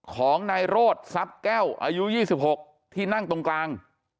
ของนายโรธทรัพย์แก้วอายุ๒๖ที่นั่งตรงกลาง